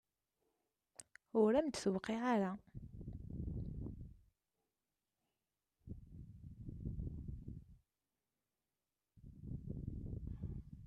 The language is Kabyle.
Ur am-d-tuqiɛ ara.